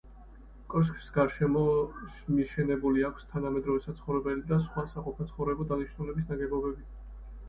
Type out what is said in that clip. კოშკს გარშემო მიშენებული აქვს თანამედროვე საცხოვრებელი და სხვა საყოფაცხოვრებო დანიშნულების ნაგებობები.